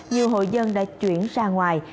nhiều hội dân đã chuyển ra ngoài